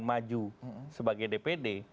maju sebagai dpd